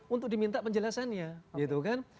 untuk diminta penjelasannya